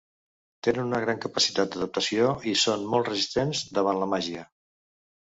Tenen una gran capacitat d'adaptació i són molt resistents davant la màgia.